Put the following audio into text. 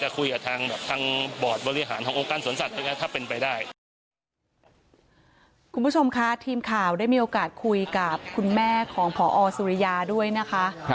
คุณผู้ชมคะทีมข่าวได้มีโอกาสคุยกับคุณแม่ของพอสุริยาด้วยนะคะ